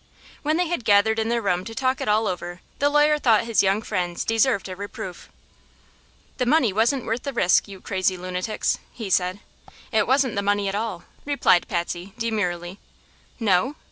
When they had gathered in their room to talk it all over the lawyer thought his young friends deserved a reproof. "The money wasn't worth the risk, you crazy lunatics!" he said. "It wasn't the money at all," replied Patsy, demurely. "No?"